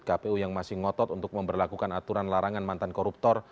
kpu yang masih ngotot untuk memperlakukan aturan larangan mantan koruptor